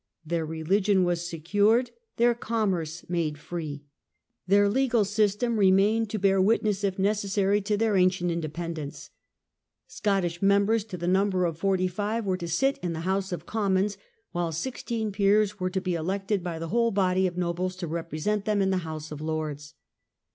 Their religion was secured, their commerce made free: (% 2j I 124 MALPLAQUET. their legal system remained to bear witness, if necessary, to their ancient independence : Scottish members, to the number of 45, were to sit in the House of Commons, while 16 peers were to be elected by the whole body of nobles to represent them in the House of Lprds.